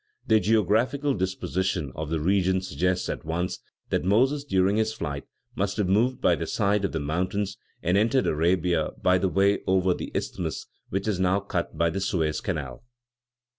The geographical disposition of the region suggests at once that Moses during his flight must have moved by the side of the mountains and entered Arabia by the way over the Isthmus which is now cut by the Suez Canal.